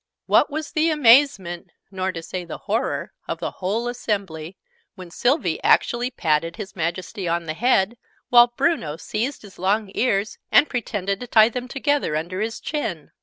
What was the amazement nor to say the horror of the whole assembly, when Sylvie actually patted His Majesty on the head, while Bruno seized his long ears and pretended to tie them together under his chin!